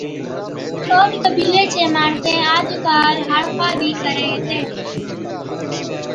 اوڏ قبِيلي چي ماڻسين آج ڪاله هارپا بِي ڪري هِتين